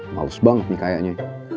males banget nih kayaknya